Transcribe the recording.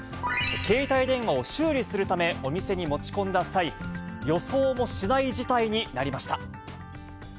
携帯電話を修理するため、お店に持ち込んだ際、予想もしない事態になりました。